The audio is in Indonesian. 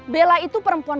bella itu perempuan